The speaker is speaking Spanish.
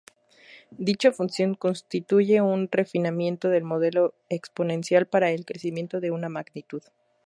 Dicha función constituye un refinamiento del modelo exponencial para el crecimiento de una magnitud.